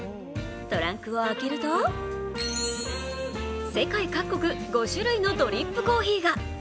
トランクを開けると、世界各国５種類のドリップコーヒーが。